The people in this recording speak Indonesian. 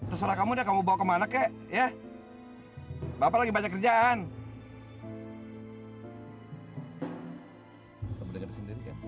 terserah kamu dan kamu bawa kemana kek ya bapak lagi banyak kerjaan